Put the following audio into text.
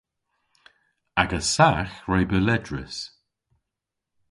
Aga sagh re beu ledrys.